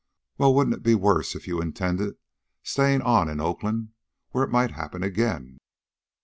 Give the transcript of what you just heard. "Well, wouldn't it be worse if you intended staying on in Oakland where it might happen again?"